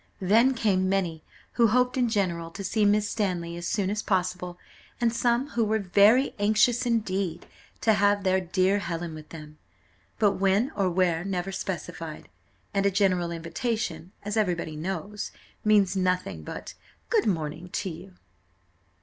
Then came many, who hoped, in general, to see Miss Stanley as soon as possible; and some who were "very anxious indeed" to have their dear Helen with them; but when or where never specified and a general invitation, as every body knows, means nothing but "Good morning to you."